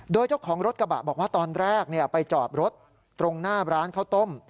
โดยเจ้าของรถกระบะบอกว่าตอนแรกไปจอดรถตรงหน้าร้านข้าวต้ม